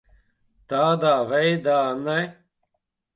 Tādā veidā ne.